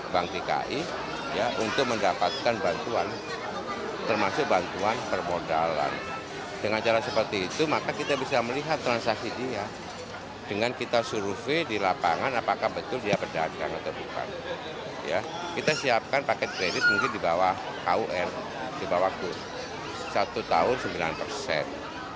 betul dia pedagang atau bukan kita siapkan paket kredit mungkin di bawah kum di bawah kum satu tahun sembilan persen